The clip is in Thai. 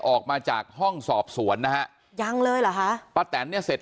ออกมาจากห้องสอบสวนนะฮะยังเลยเหรอฮะป้าแตนเนี่ยเสร็จ